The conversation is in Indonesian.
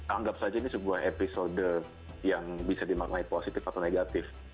anggap saja ini sebuah episode yang bisa dimaknai positif atau negatif